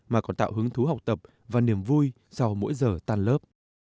mà còn tạo hứng thú học tập và niềm vui sau mỗi giờ tan lớp